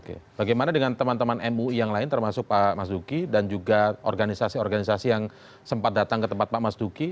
oke bagaimana dengan teman teman mui yang lain termasuk pak mas duki dan juga organisasi organisasi yang sempat datang ke tempat pak mas duki